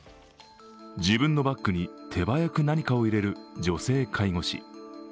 自分のバッグに手早く何かを入れる女性介護士。